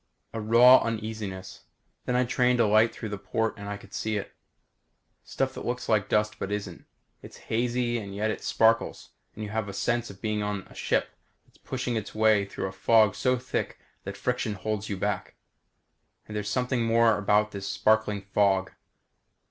A raw uneasiness. Then I trained a light through the port and I could see it. Stuff that looks like dust but isn't. It's hazy and yet it sparkles and you have a sense of being on a ship that's pushing its way through a fog so thick the friction holds you back. And there's something more about this sparkling fog.